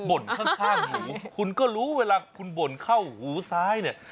บ่นข้างหูคุณก็รู้เวลาคุณบ่นเข้าหูซ้ายเนี่ย